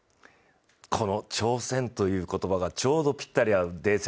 この挑戦という言葉がちょうどぴったり合うＤＡＹ７。